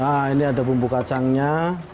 nah ini ada bumbu kacangnya